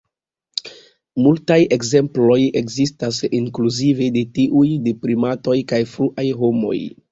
Multaj ekzemploj ekzistas, inkluzive de tiuj de primatoj kaj fruaj homoj.